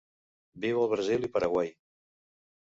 Viu al Brasil i Paraguai.